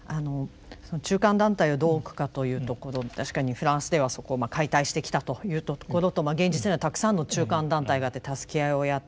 中間団体をどう置くかというところ確かにフランスではそこを解体してきたというところと現実にはたくさんの中間団体があって助け合いをやっている。